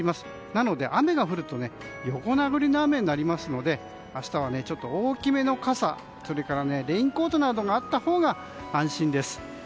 なので、雨が降ると横殴りの雨になるので明日は大きめの傘レインコートなどもあったほうが安心です。